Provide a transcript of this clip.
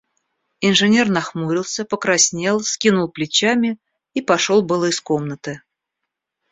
Инженер нахмурился, покраснел, вскинул плечами и пошел было из комнаты.